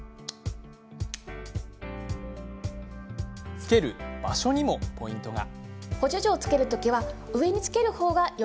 つける場所にもポイントが。